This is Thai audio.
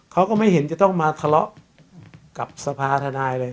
เขาก็ไม่เห็นจะต้องมาทะเลาะกับสภาธนายเลย